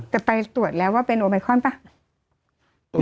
แต่ไปตรวจแล้วว่าเป็นโอบไฮลใคล์เปล่า